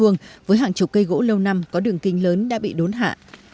nhiều năm có đường kinh lớn đã bị đốn hạ